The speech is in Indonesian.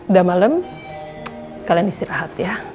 udah malam kalian istirahat ya